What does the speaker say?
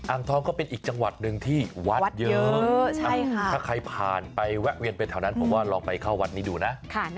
ทองก็เป็นอีกจังหวัดหนึ่งที่วัดเยอะถ้าใครผ่านไปแวะเวียนไปแถวนั้นผมว่าลองไปเข้าวัดนี้ดูนะ